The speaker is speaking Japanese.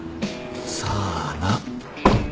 さあな。